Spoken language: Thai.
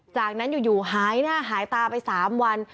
จากนั้นอยู่หายหน้าหายตาไป๓วัน